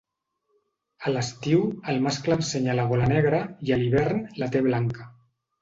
A l'estiu, el mascle ensenya la gola negra i a l'hivern la té blanca.